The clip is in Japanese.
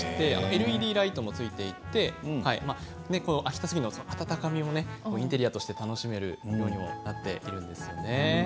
ＬＥＤライトもついていて秋田杉で温かみのあるインテリアとして楽しめるものになっています。